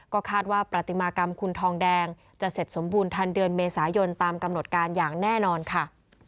ก็คาดว่าปฏิมากรรมคุณทองแดงจะเสร็จสมบูรณ์ทันเดือนเมษายนตามกำหนดการอย่างแน่นอนค่ะ